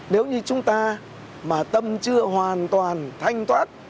nếu như chúng ta mà tâm chưa hoàn toàn thanh toát